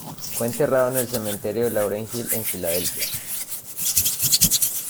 Fue enterrado en el cementerio de Laurel Hill, en Filadelfia.